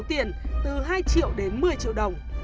số tiền từ hai triệu đến một mươi triệu đồng